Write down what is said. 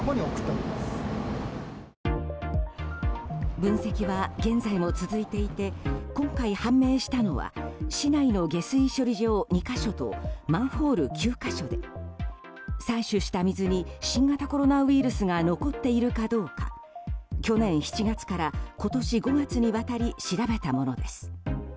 分析は現在も続いていて今回、判明したのは市内の下水処理場２か所とマンホール９か所で採取した水に新型コロナウイルスが残っているかどうか去年７月から今年５月にわたり調べたものです。